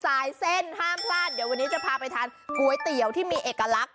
สายเส้นห้ามพลาดเดี๋ยววันนี้จะพาไปทานก๋วยเตี๋ยวที่มีเอกลักษ